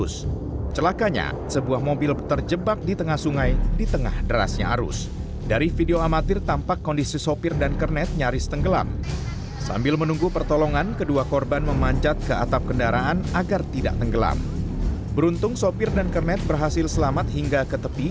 sehingga berhasil selamat hingga ke tepi